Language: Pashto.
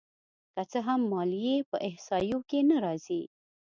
که څه هم ماليې په احصایو کې نه راځي